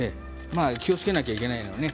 気をつけなきゃいけないのはね